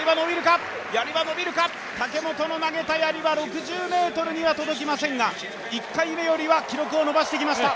武本の投げたやりは６０ｍには届きませんが１回目よりは記録を伸ばしてきました。